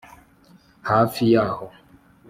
hafi ya h